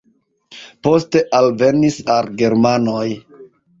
Poste alvenis are germanoj.